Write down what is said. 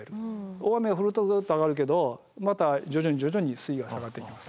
大雨が降るとグッと上がるけどまた徐々に徐々に水位は下がっていきます。